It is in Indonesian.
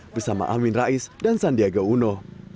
bersama amin rais dan sandiaga uno